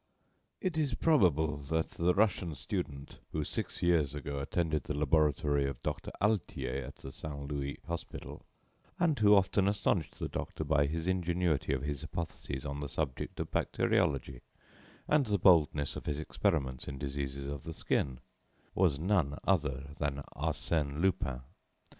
It is probable that the Russian student who, six years ago, attended the laboratory of Doctor Altier at the Saint Louis Hospital, and who often astonished the doctor by the ingenuity of his hypotheses on subjects of bacteriology and the boldness of his experiments in diseases of the skin, was none other than Arsène Lupin.